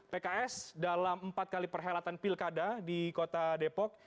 pks dalam empat kali perhelatan pilkada di kota depok